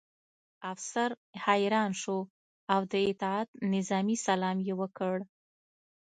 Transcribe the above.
افسر حیران شو او د اطاعت نظامي سلام یې وکړ